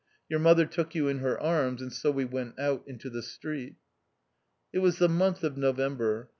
Your mother took you in her arms, and so we went out into the street. It was the month of November.